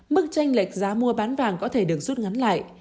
mức tranh lệch giá mua bán vàng có thể được rút ngắn lại